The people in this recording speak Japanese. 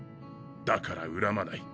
だから恨まない。